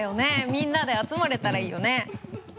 みんなで集まれたらいいよね。